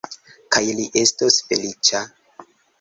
Kaj li estos feliĉa!